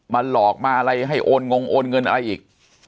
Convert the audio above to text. หลอกมาอะไรให้โอนงงโอนเงินอะไรอีก